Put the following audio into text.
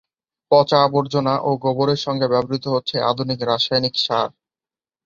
পচা আবর্জনা ও গোবরের সঙ্গে ব্যবহৃত হচ্ছে আধুনিক রাসায়নিক সার।